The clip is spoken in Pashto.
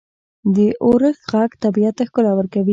• د اورښت ږغ طبیعت ته ښکلا ورکوي.